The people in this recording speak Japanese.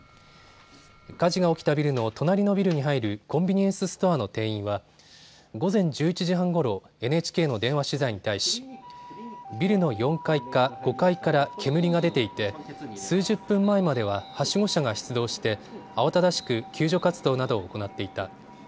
火事が起きたビルの隣のビルに入るコンビニエンスストアの店員は午前１１時半ごろ、ＮＨＫの電話取材に対しビルの４階か５階から煙が出ていて数十分前までははしご車が出動して慌ただしく救助活動などを行っていた。